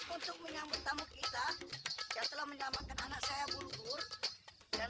untuk menyambut tamu kita yang telah menyelamatkan anak saya bulu